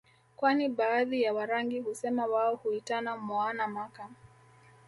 kwani baadhi ya Warangi husema wao huitana mwaana maka